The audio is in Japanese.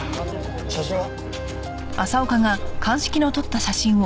写真は？